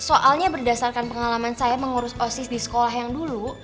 soalnya berdasarkan pengalaman saya mengurus osis di sekolah yang dulu